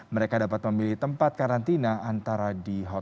mereka dapat memilih tempat karantina antara jalanan di luar negara atau di luar negara